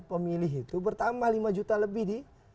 pemilih itu bertambah lima juta lebih di